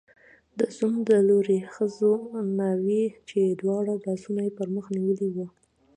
د زوم د لوري ښځو ناوې، چې دواړه لاسونه یې پر مخ نیولي وو